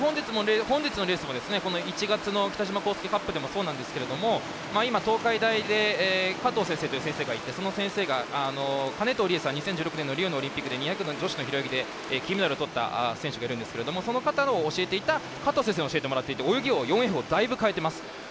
本日のレースも１月の北島康介カップでもそうなんですけれども今、東海大で加藤先生という先生がいてその選手が金藤選手というリオのオリンピックで２００の女子の平泳ぎで金メダルを取った選手がいるんですけどその方を教えていた加藤先生に教えてもらって泳ぎをだいぶ変えてます。